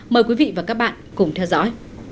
mời quý vị và các bạn cùng theo dõi